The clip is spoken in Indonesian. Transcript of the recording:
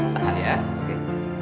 tahan ya oke